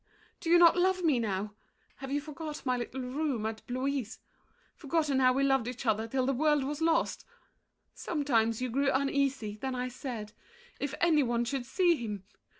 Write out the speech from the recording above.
Do you not love me now? Have you forgot My little room at Blois? Forgotten how We loved each other, till the world was lost? Sometimes you grew uneasy; then I said, "If any one should see him!"